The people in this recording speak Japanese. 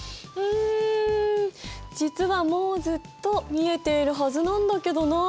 ん実はもうずっと見えているはずなんだけどなあ。